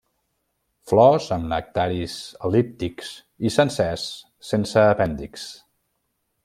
Flors amb nectaris el·líptics i sencers sense apèndixs.